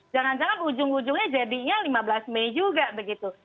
jangan jangan ujung ujungnya jadinya lima belas mei juga begitu